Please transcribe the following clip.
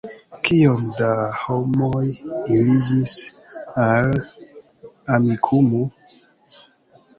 Kiom da homoj aliĝis al Amikumu?